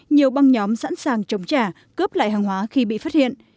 nhiều băng nhóm sẵn sàng chống trả cướp lại hàng hóa khi bị phát hiện